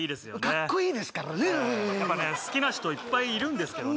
かっこいいですからねやっぱね好きな人いっぱいいるんですけどね